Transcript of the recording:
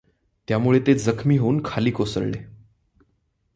त्यामुळे ते जखमी होऊन खाली कोसळले.